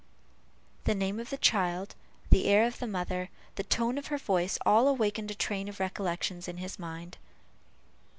The name of the child, the air of the mother, the tone of her voice, all awakened a train of recollections in his mind.